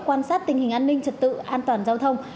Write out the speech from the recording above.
quan sát tình hình an ninh trật tự an toàn giao thông